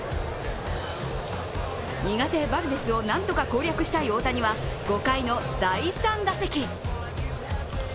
苦手バルデスをなんとか攻略したい大谷は、５回の第３打席。